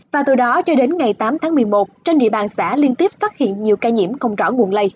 và từ đó cho đến ngày tám tháng một mươi một trên địa bàn xã liên tiếp phát hiện nhiều ca nhiễm không rõ nguồn lây